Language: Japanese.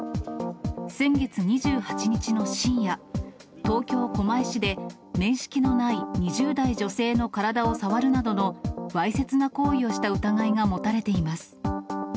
先月２８日の深夜、東京・狛江市で、面識のない２０代女性の体を触るなどのわいせつな行為をした疑いが持たれています。